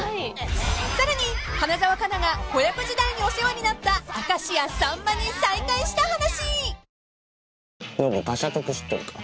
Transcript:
［さらに花澤香菜が子役時代にお世話になった明石家さんまに再会した話］